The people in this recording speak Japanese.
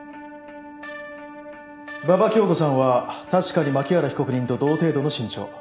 馬場恭子さんは確かに槇原被告人と同程度の身長。